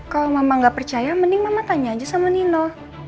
kalau mama nggak percaya mending mama tanya aja sama nino